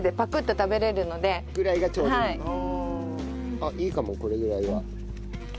あっいいかもこれぐらいがはい。